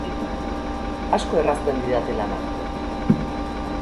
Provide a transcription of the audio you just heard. Asko errazten didate lana.